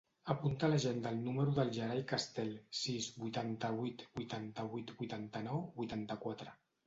Apunta a l'agenda el número del Yeray Castel: sis, vuitanta-vuit, vuitanta-vuit, vuitanta-nou, vuitanta-quatre.